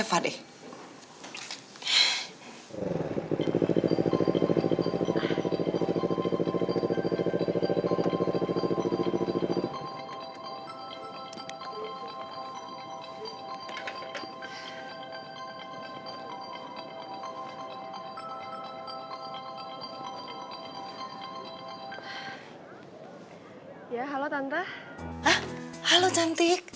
hah halo cantik